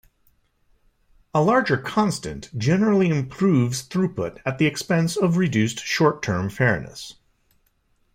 A larger constant generally improves throughput at the expense of reduced short-term fairness.